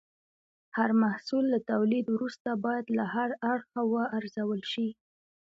هر محصول له تولید وروسته باید له هر اړخه وارزول شي.